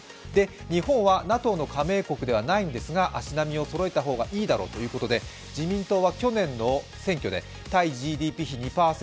日本はＮＡＴＯ加盟国ではないんですが足並みをそろえた方がいいだろうということで自民党は去年の選挙で対ＧＤＰ比２％